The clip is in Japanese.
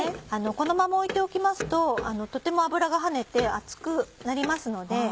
このまま置いておきますととても脂が跳ねて熱くなりますので。